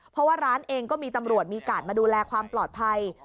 เพราะว่าร้านเองก็มีตำรวจมีกาดมาดูแลความปลอดภัย